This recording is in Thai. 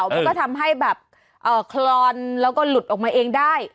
มันก็ทำให้แบบคลอนแล้วก็หลุดออกมาเองได้